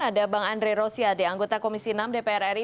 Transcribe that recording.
ada bang andre rosiade anggota komisi enam dpr ri